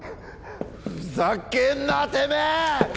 ふざけんなてめえ！